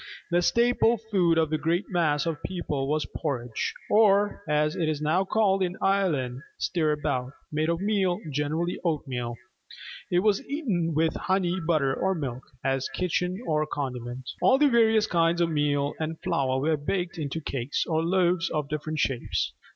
The staple food of the great mass of the people was porridge, or, as it is now called in Ireland, stirabout, made of meal, generally oatmeal. It was eaten with honey, butter, or milk, as kitchen or condiment. All the various kinds of meal and flour were baked into cakes or loaves of different shapes.